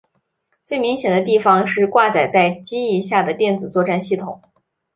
最明显的地方是挂载在机翼下的电子作战系统。